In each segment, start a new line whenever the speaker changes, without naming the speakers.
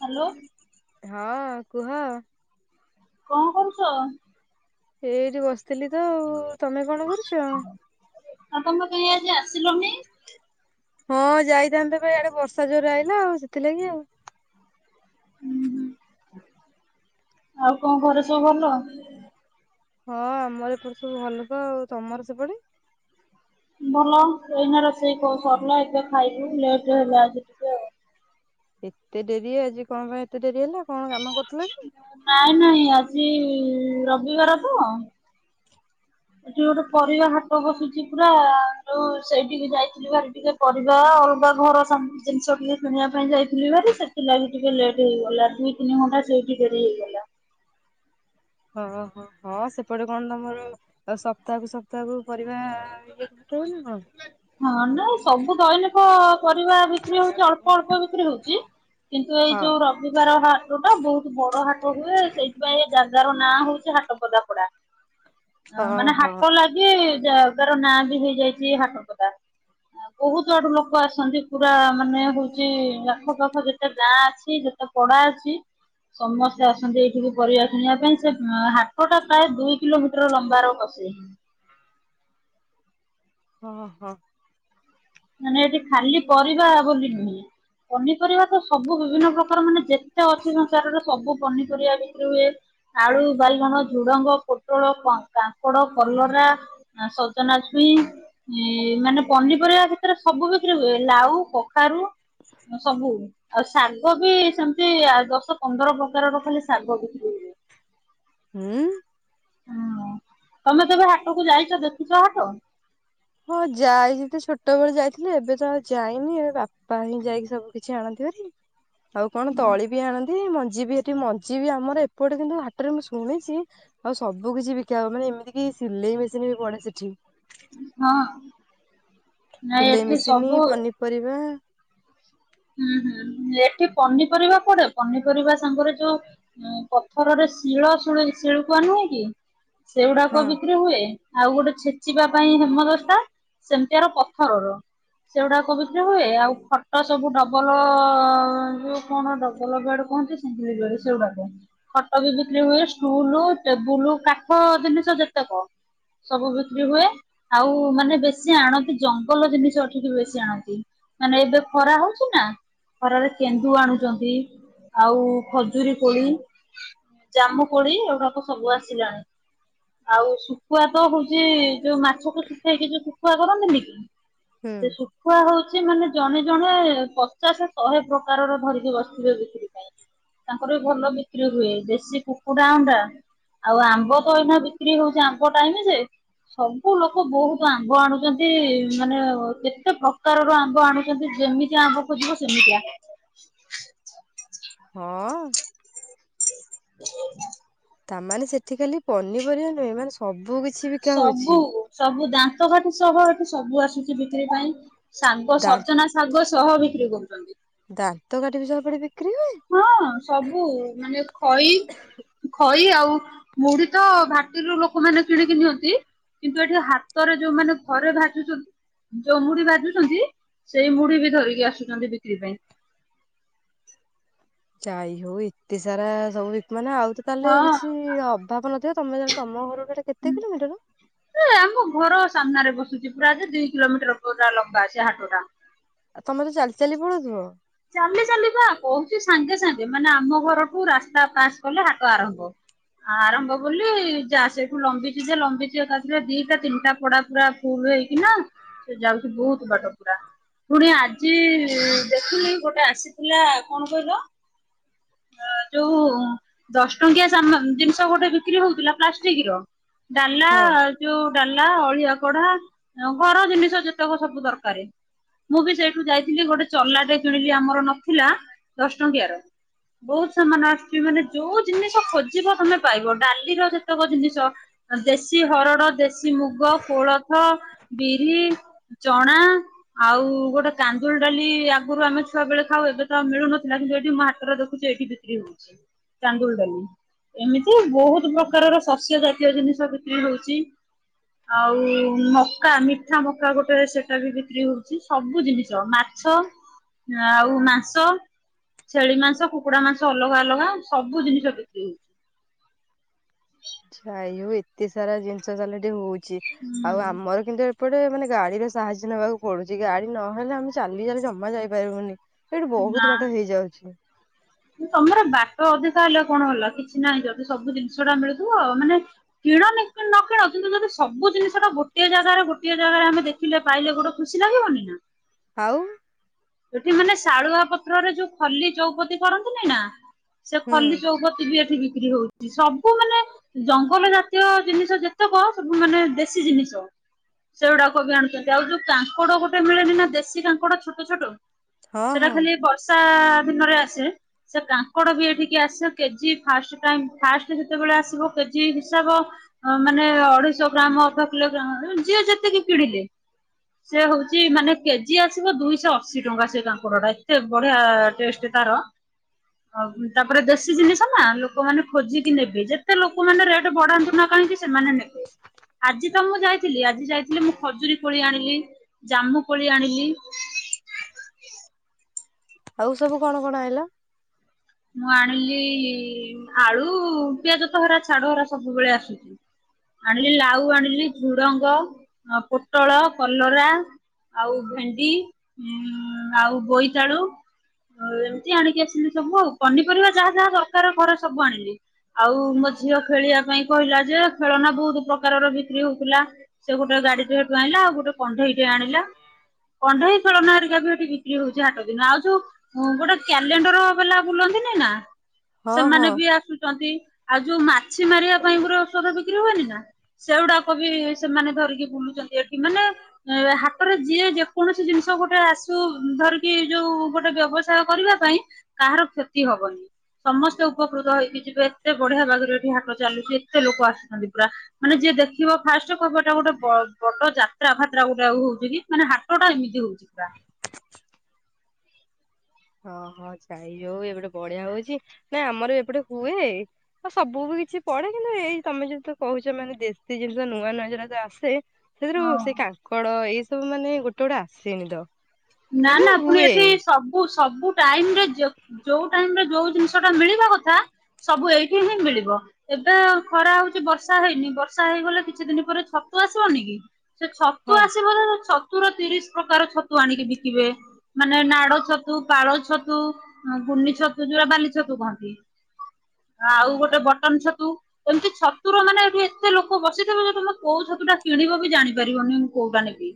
Hello.
ହଁ, କୁହ।
କଣ କରୁଛ?
ଏଇଠି ବସିଥିଲି ତ ଆଉ ତମେ କଣ କରୁଛ?
ଆଉ ତମେ କାହିଁ ଆଜି ଆସିଲନି।
ହଁ ଯାଇଥାନ୍ତେ ପା ଇଆଡେ ବର୍ଷା ଜୋର ଆଇିଲା ଆଉ ସେଥିଲାଗି ଆଉ।
ହୁଁ, ହୁଁ ଆଉ କଣ ଘରେ ସବୁ ଭଲ?
ହଁ ଆମର ଏପଟେ ସବୁ ଭଲ ଲୋକ ଆଉ ତମର ସେପଟେ?
ଭଲ ଏଇନା ରୋଷେଇ କ ସରିଲା ଏବେ ଖାଇବୁ ଲେଟରେ ହେଲା ଆଜି। ଟିକେ ଆଉ।
ଏତେ ଡେରି ଆଜି କଣ ପାଇଁ ଏତେ ଡେରି ହେଲା କଣ କାମ କରୁଥିଲ କି?
ନାଇଁ ନାଇଁ ଆଜି ରବିବାର ତ। ଯଉଠି ପରିବା ହାଟ ବସୁଛି ପୁରା ଯଉ ସେଇଠିକେ ଯାଇଥିଲି ବା ଟିକେ। ପରିବା ଅଲଗା ଘର ସ ଜିନିଷ ଟିକେ କିଣିବା ପାଇଁ ଯାଇଥିଲି ବାହାରି ସେଥିଲାଗି ଟିକେ ଲେଟ୍ ହେଇଗଲା, ଦୁଇ ତିନି ଘଣ୍ଟା ସେଇଠି ଡେରି ହେଇଗଲା।
ହଁ ହୋ ହଁ ସେପଟେ କଣ ତମର ଆଉ ସପ୍ତାହକୁ ସପ୍ତାହକୁ ପରିବା ରିଜେକ୍ଟ୍ ହୁଏ ନା କଣ?
ହଁ ନା ସବୁ ଦୈନିକ ପରିବା ବିକ୍ରି ହଉଛି ଅଳ୍ପ ଅଳ୍ପ ବିକ୍ରି ହଉଛି। କିନ୍ତୁ ଏଇ
ହଁ
ଯୋଉ ରବିବାର ହାଟୁ ଟା ବହୁତ ବଡ ହାଟ ହୁଏ, ସେଇ ସେଥିପାଇଁ ଏ ଜାଗାର ନାଁ ହଉଛି ହାଟ ପଦାପଡା,
ହଁ
ମାନେ
ହଁ
ହାଟ ଲା ଗି ଜାଗାର ନାଁ ବି ହେଇଯାଇଛି ହାଟପଦା। ବହୁତ ଆଡୁ ଲୋକ ଆସନ୍ତି ପୁରା ମାନେ ହଉଛି ଆଖ ପାାଖ ଯେତେ ଗାଁ ଅଛି, ଯେତକ୍ ପଡା ଅଛି। ସମସ୍ତେ ଆସନ୍ତି ଏଇଠିକୁ ପରିବା କିଣିବା ପାଇଁ ସେ ହାଟ ଟା ପ୍ରାୟ ଦୁଇ କିଲୋ ମିଟର ଲମ୍ବାର ବସେ।
ହଁ ହଁ।
ମାନେ ଏଠି ଖାଲି ପରିବା ବୋଲି ନୁହେଁ। ପନିପରିବା ତ ସବୁ ବିଭିନ୍ନ ପ୍ରକାର ମାନେ ଯେତେ ଅଛି ସଂସାରରେ ସବୁ ପନିପରିବା ବିକ୍ରି ହୁଏ। ଆଳୁ, ବାଲଗଣ, ଝୁଡ଼ଙ୍ଗ, ପୋଟଳ, ଙ୍କ କାଙ୍କଡ, କଲରା ସଜନାଛୁଇଁ ମାନେ ପନିପରିବା ଭି ଏରା ସବୁ ବିକ୍ରି ହୁଏ। ଲାଉ, କଖାରୁ ସବୁ, ଆଉ ଶାଗ ବି ସେମିତି ଦଶ ପନ୍ଦର ପ୍ରକାରର ଖାଲି ଶାଗ ବିକ୍ରି ହୁଏ।
ହୁଁ।
ହୁଁ ତମେ କେବେ ହାଟକୁ ଯାଇଛ ଦେଖିଛ ହାଟ?
ହଁ ଯାଇଛି ତ ଛୋଟବେଳେ ଯାଇଥିଲି, ଏବେ ତ ଆଉ ଯାଇନି, ଏବେ ବାପା ଆଣି ଯାଇକି ସବୁ କିଛି ଆଣନ୍ତିି ବାରି। ଆଉ କଣ ତଳି ବି ଆଣନ୍ତି, ମଞ୍ଜି ବି ଏଠି ମଞ୍ଜି ବି ଆମର ଏପଟେ କିନ୍ତୁ ହାଟରେ ମୁଁ ଶୁଣିଚି ଆଉ ସବୁ କିଛି ବିକା ହବ, ମାନେ ଏମିତି କି ସିଲେଇ ମେସିନ ବି ପଡେ ସେଠି।
ହଁ ନାଇଁ
ସିଲେଇ
ଏଠି
ମେସିନ୍,
ସବୁ
ପନିପରିବା
ହୁଁ ହୁଁ ଏଠି ପନିପରିବା ପଡେ, ପନିପରିବା ସାଙ୍ଗରେ ଯୋଉ ହୁଁ ପଥରରେ ଶିଳ ଶୂଳ ଶିଳପୁଆ ନୁହେଁ କି
ହଁ
ସେଗୁଡାକ ବିକ୍ରି ହୁଏ। ଆଉ ଗୋଟେ ଛେଚିବା ପାଇଁ ହେମଦସ୍ତା ସେମିତିଆର ପଥରର ସେଗୁଡାକ ବିକ୍ରି ହୁଏ। ଆଉ ଖଟ ସବୁ ଡବଲ ଯୋଉ କଣ ଡବଲ ବେଡ୍ କୁହନ୍ତିନି, ସେଇ ବେଡ୍ ସେଇଗୁଡାକ। ଖଟ ବି ବିକ୍ରି ହୁଏ, ଷ୍ଟୁଲୁ, ଟେବୁଲୁ କାଠ ଜିନିଷ ଯେତେକ। ସବୁ ବିକ୍ରି ହୁଏ। ଆଉ ମାନେ ବେଶୀ ଆଣନ୍ତି ଜଙ୍ଗଲ ଜିନିଷ ଏଠିକି ବେଶୀ ଆଣନ୍ତି। ମାନେ ଏବେ ଖରା ହଉଛି ନା ଖରାରେ କେନ୍ଦୁ ଆଣୁଛନ୍ତି। ଆଉ ଖଜୁରୀ କୋଳି ଜାମୁ କୋଳି ଏଗୁଡାକ ସବୁ ଆସିଲାଣି। ଆଉ ଶୁ ଶୁଖୁଆ ତ ହଉଛି ଯୋଉ ମାଛକୁ ଶୁଖେଇକି ଯୋଉ ଶୁଖୁଆ କରନ୍ତିନି କି,
ହୁଁ
ସେ ଶୁଖ୍ ଶୁଖୁଆ ହଉଛି ମାନେ ଜଣେ ଜଣେ ପଚାଶ ଶହେ ପ୍ରକାରର ଧରିକି ବସିଥିବେ ବିକ୍ରି ପାଇଁ। ତାଙ୍କର ବି ଭଲ ବିକ୍ରି ହୁଏ। ଦେଶୀ କୁକୁଡା ଅଣ୍ଡା ଆଉ ଆମ୍ବ ତ ଏଇନା ବିକ୍ରି ହଉଛି ଆମ୍ବ ଟାଇମ ଯେ ସବୁ ଲୋକ ବହୁତ ଆମ୍ବ ଆଣୁଛନ୍ତି ମାନେ କେତେ ପ୍ରକାରର ଆମ୍ବ ଆଣୁ ତେମେ ଯେମିତିଆ ଆମ୍ବ ଖୋଯିବ ସେମିତିଆ।
ହଁ ତାମାନେ ସେଠି ଖାଲି ପନିପରିବା ନୁହେଁ ମାନେ ସବୁ କିଛି ବିକା
ସବୁ
ହଉଛି
ସବୁ ଦାନ୍ତକାଠି ସହ ଏଠି ସବୁ ଆସୁଛି ବିକ୍ରି ପାଇଁ। ଶାଗ
ଦା
ସଜନା ଶାଗ ସହ ବିକ୍ରି କରୁଚନ୍ତି।
ଦାନ୍ତ କାଠି ବି ସବୁ ପଡେ ବି?
ହଁ ସବୁ ମାନେ ଖଇ ଖଇ ଆଉ ମୁଢି ତ ଭାଟିରୁ ଲୋକମାନେ କିଣିକି ନିଅନ୍ତି। କିନ୍ତୁ ଏଠି ହାତରେ ଯୋଉମାନେ ଘରେ ଭାଜୁଛନ୍ତି। ଯୋଉ ମୁଢି ଭାଜୁଛନ୍ତି ସେଇ ମୁଢି କି ଧରିକି ଆସୁଛନ୍ତି ବିକ୍ରି ପାଇଁ।
ଯାଇ ହଉ ଏତେ ସାରା ସବୁ ବିକିବ ନା ଆଉଚି। ତାହେଲେ
ହଁ।
କିଛି ଅଭାବ ନଥିବ ତୋମେ [unintelligible] ତୋମ ଘର ଟା କେତେ କିଲୋମିଟର?
ସେ ଆମ ଘର ସାମ୍ନାରେ ବସୁଛି ପୁରା ଯେ ଦି କିଲୋମିଟର ପୁରା ଲମ୍ବା ସେ ହାଟ ଟା।
ଆ ତୋମେ ତ ଚାଲି ଚାଲି ପଳଉଥିବ?
ଚାଲି ଚାଲି ପା କହୁଛି ସାଙ୍ଗେ ସାଙ୍ଗେ ମାନେ ଆମ ଘରଠୁ ରାସ୍ତା ପାସ୍ କଲେ ହାଟ ଆରମ୍ଭ। ଆରମ୍ଭ ବୋଲି ଯା ସେଠୁ ଲମ୍ବିଛି ଯେ ଲମ୍ବିଛି ଏକାଥରେ ଦିଟା ତିନିଟା ପଡା ପୁରା। ଫୁଲ୍ ହେଇକିନା ସେ ଯାଉଛି ବହୁତ ବାଟ ପୁରା। ପୁଣି ଆଜି ଦେଖିଲି ଗୋଟେ ଆସିଥିଲା କଣ କହିଲ? ଯୋଉ ଦଶ ଟଙ୍କିଆ ସାମା- ଜିନିଷ ଗୋଟେ ବିକ୍ରି ହଉଥିଲା ପ୍ଲାଷ୍ଟିକ୍ ର। ଡାଲା
ହଁ
ଯୋଉ ଡାଲା, ଅଳିଆ କଢା ଅଁ, ଘର ଜିନିଷ ଯେତେକ ସବୁ ଦରକାରେ। ମୁଁ ବି ସେଇଠୁ ଯାଇଥିଲି ଗୋଟେ ଚଲାଟେ କିଣିଲି ଆମର ନଥିଲା ଦଶ ଟଙ୍କିଆ ର। ବହୁତ ସାମାନ୍ ଆସିଛି। ମାନେ ଯୋଉ ଜିନିଷ ଖୋଜିବ ତୋମେ ପାଇବ। ଡାଲିର ଯେତେକ ଜିନିଷ। ଆ, ଦେଶୀ ହରଡ, ଦେଶୀ ମୁଗ, କୋଳଥ, ବିରି। ଚଣା। ଆଉ ଗୋଟେ କାନ୍ଦୁଳି ଡାଲି ଆଗରୁ ଆମେ ଛୁଆ ବେଳେ ଖାଉ। ଏବେ ତ ଆଉ ମିଳୁନଥିଲା। କିନ୍ତୁ ଏଠି ମୋ ହାଟରେ ଦେଖ ଖୁଛି ଏଠି ବିକ୍ରି ହଉଛି ଚାନ୍ଦୁଳଡାଲି। ଏମିତି ବହୁତ ପ୍ରକାରର ଶସ୍ୟ ଜାତୀୟ ଜିନିଷ କିିକ୍ରି ହଉଛି। ଆଉ ମକା ମିଠା ମକା ଗୋଟେ ସେଟା ବି ବିକ୍ରି ହଉଛି। ସବୁ ଜିନିଷ ମାଛ ଆଉ ମାଂସ, ଛେଳି ମାଂସ, କୁକ କୁଡ଼ା ମାଂସ ଅଲଗା ଅଲଗା ସବୁ ଜିନିଷ ବିକ୍ରି ହଉଛି।
ଆଚ୍ଛା ଏଇ ସବୁ ଏତେ ସାରା ଜିନିଷ ତାହେଲେ ସେଟି ହଉଛି। ଆଉ
ହୁଁ
ଆମର କିନ୍ତୁ ଏପଟେ ମାନେ ଗାଡିର ସାହାଯ୍ୟ ନେବାକୁ ପଡୁଛି, ଗାଡି ନହେଲେ ଆମେ ଚାଲି ଚାଲି ଜମା ଯାଇପାରିବୁନି। ଏଇଠି ବହୁତ ବାଟ ହେଇଯାଉଛି।
ତୋମର ବାଟ ଅଧିକା ହେଲେ କଣ ହେଲା କିଛି ନାହିଁ ଯଦି ସବୁ ଜିନିଷ ଟା ମିଳୁଥିବ ମାନେ କିଣ ନ କି-କିଣ କିନ୍ତୁ ଯଦି ସବୁ ଜିନିଷଟା ଗୋଟିଏ ଜାଗାର ଗୋଟିଏ ଜାଗାରେ ଆମେ ଦେ ଖିଲେ ପାଇଲେ ଗୋଟେ ଖୁସି ଲାଗିବନି ନା।
ଆଉ।
ଏଠି ମାନେ ଶାଳୁଆ ପତ୍ରରେ ଯୋଉ ଖଲି ଚଉପତି କରନ୍ତିନି ନା? ସେ
ହୁଁ
ଖଲି ଚୌପତି ବି ଏଠି ବିକ୍ରି ହଉ ସବୁ ମାନେ ଜଙ୍ଗଲ ଜାତୀୟ ଜିନିଷ ଯେତେକ ସବୁ ମାନେ ଦେଶୀ ଜିନିଷ। ସେଉଡାକ ବି ଆଣୁଚନ୍ତି। ଆଉ ଯୋଉ କାଙ୍କଡ ଗୋଟେ ମିଳେନି ନା ଦେଶୀ କାଙ୍କଡ ଛୋଟ ଛୋଟ
ହଁ
ସେଟା
ହଁ
ଖାଲି ବର୍ଷା ଦିନରେ ଆସେ। ସେ କାଙ୍କଡ ବି ଏଠିକି ଆସେ କେଜି ଫାଷ୍ଟ କାଙ୍କ୍ ଫାଷ୍ଟ ଯେତେବେଳେ ଆସିବ କେଜି ହିସାବ ଅ, ମାନେ ଅଢ଼େଇଶ ଗ୍ରାମ ଅଧ କିଲୋଗ୍ରା ଯିଏ ଯେତିକି କିଣିଲେ। ସେ ହଉଛି ମାନେ କେଜି ଆସିବ ଦୁଇଶହ ଅଶୀ ଟଙ୍କା ସେ କାଙ୍କଡା ଟା ଏତେ ବଢିଆ ଟେଷ୍ଟ ତାର। ଆଉ ତାପରେ ଦେଶୀ ଜିନିଷ ନା ଲୋକମାନେ ଖୋଜିକି ନେବେ, ଯେତେ ଲୋକମାନେ ରେଟ୍ ବଢାନ୍ତୁ ନା କାହିଁକି? ସେମାନେ ନେ, ଆଜି ତ ମୁଁ ଯାଇଥିଲି ଆଜି ଯାଇଥିଲି ମୁଁ ଖଜୁରୀ କୋଳି ଆଣିଲି। ଜାହ୍ମୁ କୋଳି ଆଣିଲି।
ଆଉ ସବୁ କଣ କଣ ଆଇଁଲ?
ମୁଁ ଆଣିଲି-ଇ ଆଳୁ, ପିଆଜ ତ ହେରା ଛାଡ ହେରା ସବୁବେଳେ ଆସୁଛି। ଆଣିଲି ଲାଉ ଆଣିଲି ଝୁଡଙ୍ଗ, ପୋଟଳ, କଲରା ଆଉ ଭେଣ୍ଡି, ଉଁ ଆଉ ବୋଇତାଳୁ ଆଉ ଏମିତି ଆଣିକି ଆସିଲି ସବୁ। ଆଉ ପନିପରିବା ଯାହା ଯାହା ଦରକାର ଘରେ ସବୁ ଆଣିଲି। ଆଉ ମୋ ଝିଅ ଖେଳିବା ପାଇଁ କହିଲା ଯେ ଖେଳନା ବହୁତ ପ୍ରକାରର ବିକ୍ରି ହଉଥିଲା। ସେ ଗୋଟେ ଗାଡିଟେ ହେଠୁ ଆଇଁଲା, ଆଉ ଗୋଟେ କଣ୍ଢେଇଟେ ଆଣିଲା। କଣ୍ଢେଇ ଖେଳନା ହେରିକା ବି ଏଠି ବିକ୍ରି ହଉଛି ହାଟ ଦିନ। ଆଉ ଯୋଉ ଗୋଟେ କ୍ୟାଲେଣ୍ଡର ବାଲା ବୁଲନ୍ତିନି ନା,
ହଁ ହଁ।
ସେମାନେ ବି ଆସୁଛନ୍ତି। ଆଉ ଯୋଉ ମା ମାଛି ମାରିବା ପାଇଁ ପୁରା ଔଷଧ ବିକ୍ରି ହୁଏନି ନା! ସେଉଡାକ ବି ସେମାନେ ଧରିକି ବୁଲୁଛନ୍ତି ଏଠି ମାନେ ଏ ହାଟରେ ଯିଏ ଯେକୌଣସି ଜିନିଷ ଗୋଟେ ଆସୁ ଧରିକି ଯୋଉ ଗୋଟେ ବ୍ୟବସାୟ କରିବା ପାଇଁ କାହାର କ୍ଷତି ହବନି। ସମସ୍ତେ ଉପକୃତ ହେଇକି ଯିବେ। ଏତେ ବଢିଆ ଭାଗରେ ଏଠି ହାଟ ଚାଲୁଛି, ଏତେ ଲୋକ ଆସୁଛନ୍ତି ପୁରା। ମାନେ ଯିଏ ଦେଖିବ ଫାଷ୍ଟ କହିବ ଏଟା ଗୋଟେ ବ-ବଡ ଯାତ୍ରା ଫାତ୍ରା ଗୋଟେ ଆଉ ହଉଛି କି? ମାନେ ହାଟଟା ଏମିତି ହଉଛି। ଯିବା।
ହଁ, ହଁ ଯାଇ ହଉ। ଏପଟେ ବଢିଆ ହଉଛି। ନାଇଁ ଆମର ଏପଟେ ହୁଏ। ଆଉ ସବୁ ବି କିଛି ପଡେ, କିନ୍ତୁ ଏଇ ତମେ ଯଦି ତ କହୁଛ ମାନେ ଦେଶୀ ଜିନିଷ ନୂଆ ନୂଆ ଜଉରାକ ଆସେ ସେଥିରୁ ସେ
ହଁ।
କାଙ୍କଡ ଏଇ ସବୁ ମାନେ ଗୋଟେ ଗୋଟେ ଆସେନି ତ
ନା
କିନ୍ତୁ
ନା ପୁଣି
ହୁଏ
ଏଠି ସବୁ ସବୁ ଟାଇମ୍ ରେ ଯୋଉ ଟାଇମ୍ ରେ ଯୋଉ ଜିନିଷ ସେଟା ମିଳିବା କଥା, ସବୁ ଏଇଠି ହିଁ ମିଳିବ। ଏବେ ଖରା ହଉଛି, ବର୍ଷା ହେଇନି। ବର୍ଷା ହେଇଗଲେ କିଛି ଦିନ ପରେ ଛତୁ ଆସିବନି କି? ସେ ଛତୁ
ହଁ
ଆସିବର-ର୍ ଛତୁର ର ତିରିଶ ପ୍ରକାର ଛତୁ ଆଣିକି ବି ଶଖିବେ, ମାନେ ନାଡ ଛତୁ, ପାଳ ଛତୁ ହଁ, ଗୁଣ୍ନି ଛତୁ ଯୋଉରା ବାଲି ଛତୁ କହନ୍ତି, ଆଉ ଗୋଟେ ବଟନ୍ ଛତୁ ଏମିତି ଛତୁର ମାନେ ଏଠୁ ଏତେ ଲୋକ ବସିଥିବେ ଯେ, ତମେ କୋଉ ଛତୁ ଟା କିଣିବ ବି ଜାଣିପାରିବନି, ମୁଁ କୋଉଟା ନେବି?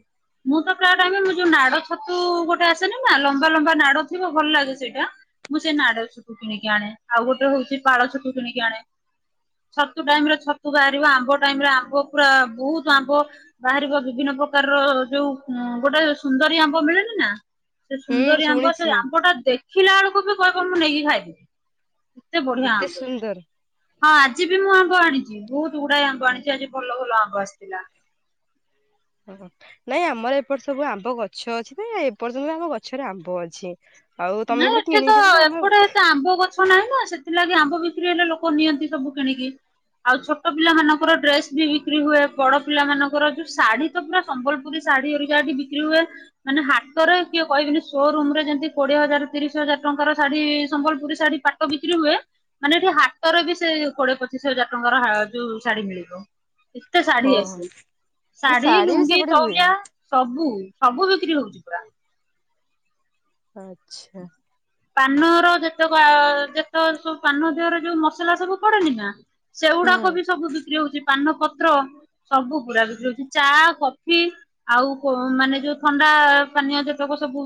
ମୁଁ ତ ପ୍ରାୟ ଟାଇମ୍, ମୁଁ ଯୋଉ ନାଡ ଛ ଛତୁ ଗୋଟେ ଆସେନି ନା, ଲମ୍ବା ଲମ୍ବା ନାଡ ଥିବ ଭଲ ଲାଗେ ସେଇଟା। ମୁଁ ସେ ନାଡ ଛତୁ କିଣେ। ଆଣେ, ଆଉ ଗୋଟେ ହଉଛି ପାଳ ଛତୁ କିଣିକି ଆଣେ। ଛତୁ ଟାଇମ୍ ରେ ଛତୁ ବାହାରିବ। ଆମ୍ବ ଟାଇମ୍ ରେ ଆମ୍ବ ପୁରା ବହୁତ ଆମ୍ବ। ବାହାରିବ ବିଭିନ୍ନ ପ୍ରକାରର ଯୋଉ ଗୋଟେ ସୁନ୍ଦରୀ ଆମ୍ବ୍ ଆମ୍ବ ମିଳେନିନା! ସେ
ହୁଁ
ସୁନ୍ଦରୀ ଆମ୍ବ ସେ
ଶୁଣିଛି।
ଆମ୍ବ ଟା ଦେଖିଲା ଅଳକୁ ବି କହିବ ମୁଁ ନେଇକି ଖାଇଦେବି।
ଏତେ ସୁନ୍ଦରୀ।
ହଁ, ଆଜି ବି ମୁଁ ଆମ୍ବ ଆଣିଚି। ବହୁତ ଗୁଡାଏ ଆମ୍ବ ଆଣିଚି, ଆଜି ଭଲ ଭଲ ଆମ୍ବ ଆସିଥିଲା।
ଓହୋ! ନାଇଁ ଆମର ଏପଟେ ସବୁ ଆମ୍ବ ଗଛ ଅଛି ଯେ, ଏପର୍ଯ୍ୟନ୍ତ ଆମ ଗଛରେ ଆମ୍ବ ଅଛି। ଆଉ ତମେ
ନା
ଏପଟେ
ଏଠି
କିଣିକି
ତ
ଖାଉଛ ଆମର
ଏପଟେ ଏତେ ଆମ୍ବ ଗଛ୍ ଛ ନାହିଁ ନା, ସେଥିଲାଗି ଆମ୍ବ ବିକ୍ରି ହେଲେ ଲୋକ ନିଅନ୍ତି ସବୁ କିଣିକି। ଆଉ ଛୋଟ ପିଲାମାନଙ୍କର ଡ୍ରେସ୍ ବି ବିକ୍ରି ହୁଏ। ବଡ଼ ପିଲା ମାନଙ୍କର ଯୋଉ ଶାଢୀ ତ ପୁରା ସମ୍ବଲପୁ ପୁରୀ ଶାଢୀ ହେରିକା ବିକ୍ରି ହୁଏ। ମାନେ ହାଟରେ କିଏ କହିବେନି ସୋରୁମ୍ ରେ ଯେମିତି କୋଡିଏ ହଜାର ତିରିଶ ହଜାର ଟଙ୍କାର ଶାଢୀ ସମ୍ବଲପୁରୀ ଶାଢୀ ପାଟ ବିକ୍ରି ହୁଏ। ମାନେ ଏଠି ହାଟରେ ବି ସେଇ କୋଡିଏ ପଚିଶ ହଜାର ଟଙ୍କାର ହା ଯୋଉ ଶାଢୀ ମିଳିବ। ଏତେ ଶାଢ଼ୀ
ଓହୋ
ଆସେ ‌।
ମାନେ
ଶାଢୀ,
ବି
ଲୁଙ୍ଗୀ,
ସେପଟେ ହୁଏ
ତଉଲିଆ ସବୁ ସବୁ ବିକ୍ରି ହଉଛି ପୁରା।
ଆଚ୍ଛା
ପାନର ଯେତେକ ଯେତେ ସବୁ ପାନ ଦେହର ଯୋଉ ମସଲା ସବୁ ପଡେନି ନା ସେଗୁଡାକ
ହୁଁ।
ବି ସବୁ ବିକ୍ରି ହଉଛି। ପାନ ପ ପତ୍ର, ସବୁ ପରା ବିକ୍ରି ହଉଛି ଚା, କଫି। ଆଉ ମାନେ ଯୋଉ ଥଣ୍ଡା ପାନୀୟ ଯେତେକ ସବୁ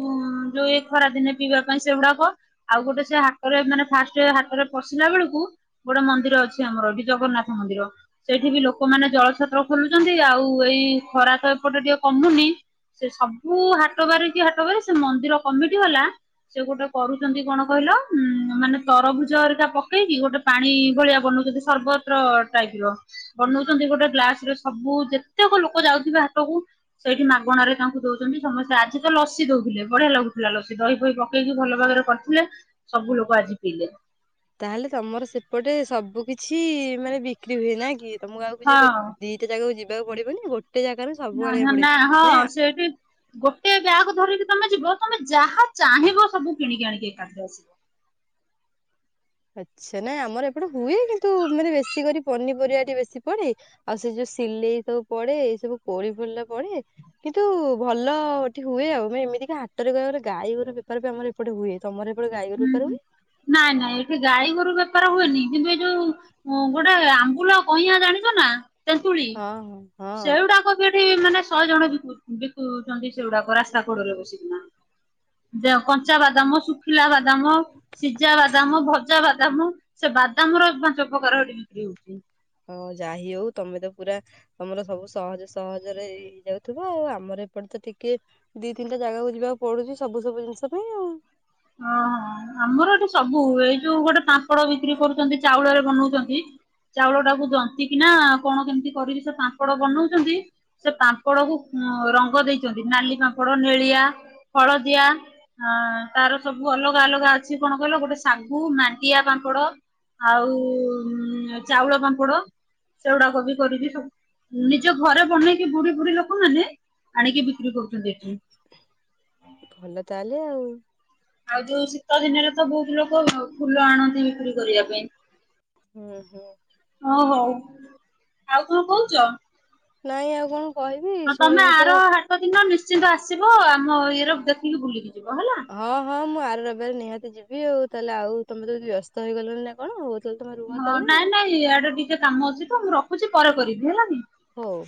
ଯୋଉ ଏ ଖରାଦିନେ। ପିଇବା ପାଇଁ ସେଗୁଡାକ ଆଉ ଗୋଟେ ସେ ହାଟରେ ମାନେ ଫାଷ୍ଟ ହାଟରେ ପଶିଲା ବେଳକୁ। ଗୋଟେ ମନ୍ଦିର ଅଛି ଆମର, ଏଠି ଜଗନ୍ନାଥ ମନ୍ଦିର। ସେଇଠି ବି ଲୋକମାନେ ଜଳଛତ୍ର ଖୋଲୁଛନ୍ତି। ଆଉ ଏଇ ଖରା ତ ଏପଟେ ଟିକେ କମୁନି। ସେ ସବୁ ହାଟ ବାରି କି ହାଟ ବାରି ସେ ମନ୍ଦିର କମିଟି ବାଲା। ସେ ଗୋଟେ କରୁଛନ୍ତି କଣ କହିଲ ଉଁ ମାନେ ତରଭୁଜ ହରିକା ପକେଇକି ଗୋଟେ। ପାଣି ଭଳିଆ ବନଉଛନ୍ତି। ସର୍ବତ୍ର ଟାଇପ ର। ବନଉଛନ୍ତି, ଗୋଟେ ଗ୍ଲାସ ରେ ସବୁ ଯେତେକ ଲୋକ ଯାଉଥିବେ ହାଟକୁ। ସେଇଠି ମାଗଣାରେ ତାଙ୍କୁ ଦଉଛନ୍ତି ସମସ୍ତେ ଆଜି ତ ଲସି ଦଉଥିଲେ ବଢିଆ ଲାଗୁଥିଲା। ଲସି ଦହି ଫହି ପକେଇ। ପକେଇ କି ଭଲ ଭାବରେ କରିଥିଲେ। ସବୁ ଲୋକ ଆଜି ପିଇଲେ।
ତାହେଲେ ତମର ସେପଟେ ସବୁ କିଛି ମାନେ ବିକ୍ରି ହୁଏ ନା କି ତମକୁ ଆଉ କିଛି ଖୋଜି
ହଁ
[unintelligible] ଜାଗାକୁ ଯିବାକୁ ପଡିବନି ଗୋଟେ ଜାଗାରୁ ସବୁ
ନା
ଆଣିବାକୁ
ନା
ପଡିବେ
ହଁ
ନାଇଁ ଆ
ସେଇଠି। ଗୋଟେ ବ୍ୟାଗ ଧରିକି ତମେ ଯିବ ତମେ ଯାହା ଚାହିଁବ ସବୁ କିଣିକି ଆଣିକି ଏକାଥରେ ଆସିବ।
ଆଚ୍ଛା ନାଇଁ ଆମର ଏପଟେ ହୁଏ କିନ୍ତୁ ମାନେ ବେଶୀ କରି ପନିପରିବା ବେଶୀ ପଡେ। ଆଉ ସେ ଯୋଉ ସିଲେଇ ସବୁ ପଡେ ଏଇ ସବୁ [unintelligible] ପଡେ। କିନ୍ତୁ ଭଲ ଏଠି ହୁଏ, ଆଉ ଏମିତିକା ହାଟରେ ଆମର ଗାଈ ଗୋର ବେପାର ବି ଆମର ଏପଟ ହୁଏ ତମର ସେପଟ ଗାଈ ଗୋରୁ
ହୁଁ
ବେପାର
ହୁଁ
ହୁଏ।।
ନାଇଁ ନାଇଁ ଏଠି ଗାଈଗୋରୁ ବେପାର ହୁଏନି କିନ୍ତୁ ଏ ଯୋଉ ଗୋଟେ ଆମ୍ବୁଲ କଇଁଆ ଜାଣିଛ ନା ତେନ୍ତୁଳି
ହଁ ହଁ।
ସେଗୁଡାକ ଏଠି ମାନେ ଶହେ ଜଣ ବିକୁ- ବିକୁଛନ୍ତି ସେଗୁଡାକ ରାସ୍ତା କୋଡରେ ବସିକିନା। ଦେ କଞ୍ଚା ବାଦାମ, ଶୁଖିଲା ବାଦାମ। ସିଜା ବାଦାମ, ଭଜା ବାଦାମ। ସେ ବାଦାମ ର ପାଞ୍ଚ ପ୍ରକାର ସେଠ ବିକ୍ରି ହେଉଛି।
ଓହୋ ଯାଇ ହଉ ତମେ ତ ପୁରା ତମର ସବୁ ସହଜ ସହଜରେ ହେଇଯାଉଥିବ, ଆଉ ଆମର ଏପଟେ ତ ଟିକେ ଦି, ତିନିଟା ଜାଗାକୁ ଯିବାକୁ ପଡୁଛି ସବୁ ସବୁ ଜିନିଷ ପାଇଁ ଆଉ।
ହଁ ହଁ ଆମର ଏଠି ସବୁ ହୁଏ। ଯୋଉ ଗୋଟେ ପାମ୍ପଡ ବିକ୍ରି କରୁଛନ୍ତି। ଚାଉଳରେ ବନଉଛନ୍ତି। ଚାଉଳ ଟାକୁ ଦନ୍ତି କିି ନା କଣ କେମିତି କରିକି ସେ ପାପଡ ବନଉଛନ୍ତି। ସେ ପାମ୍ପଡ଼କୁ ରଙ୍ଗ ଦେଇଛନ୍ତି ନାଲି ପାମ୍ପଡ଼ ନେଳିଆ ହଳଦିଆ। ହଁ ତାର ସବୁ ଅଲଗା ଅଲଗା ଅଛି କଣ କହିଲ ଗୋଟେ ଶାଗୁ ମାଣ୍ଟିଆ ପାମ୍ପଡ। ଆଉ ଚାଉଳ ପାମ୍ପଡ। ସେଗୁଡାକ ବି କରିକି ସବୁ ନିଜ ଘରେ ବନେଇକି ବୁଢୀ ବୁଢୀ ଲୋକମାନୋନେ ଆଣିକି। କିିକ କରୁଛନ୍ତି ଏଠି।
ଭଲ ତାହଲେ ଆଉ।
ଆଉ ଯୋଉ ଶୀତ ଦିନରେ ତ ବହୁତ ଲୋକ ଫୁଲ ଆଣନ୍ତି ବିକ୍ରି କରିବା ପାଇଁ।
ହୁଁ ହୁଁ।
ହଉ ହଉ ଆଉ କଣ କହୁଚ୍ଛ।,
ନାଇଁ ଆଉ କଣ। କହିବି
ହଁ ତମେ
ଶୁଣିଲି ତ
ଆର ହାଟ ଦିନ ନିଶ୍ଚିନ୍ତ ଆସିବ ଆମ ଇଏ ର ଦେଖିକି ବୁଲିକି ଯିବ ହେଲା।
ହଁ-ହଁ ମୁଁ ଆର ରବିବାର ନିହାତି ଯିବି ଆଉ ତାହେଲେ ଆଉ ତମେ ତ ବ୍ୟସ୍ତ ହେଇଗଲଣି ନା କଣ ଆଉ, ତାହେଲେ ତମେ ରୁହ
ହଁ
ତାହେଲେ
ନାଇଁ-ନାଇଁ ଇଆଡ଼େ ଟିକେ କାମ ଅଛି ତ ମୁଁ ରଖୁଛି ପରେ କରିବି ହେଲାନି?
ହଉ,